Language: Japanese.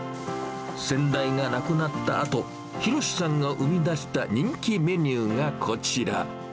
先代が亡くなったあと、博さんが生み出した人気メニューがこちら。